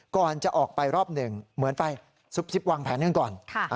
ก่อนจะออกไปรอบ๑เหมือนไปซึบวางแผนก่อน